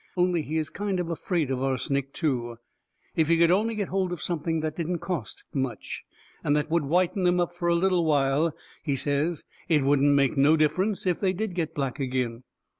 Only he is kind of afraid of arsenic, too. If he could only get hold of something that didn't cost much, and that would whiten them up fur a little while, he says, it wouldn't make no difference if they did get black agin.